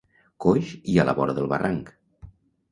Coix i a la vora del barranc.